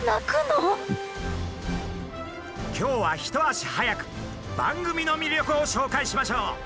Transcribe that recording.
今日は一足早く番組の魅力を紹介しましょう！